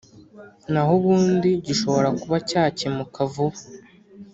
na ho ubundi gishobora kuba cyakemuka vuba